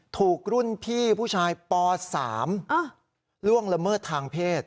ถูกรุ่นพี่ผู้ชายป๓ล่วงละเมิดทางเพศ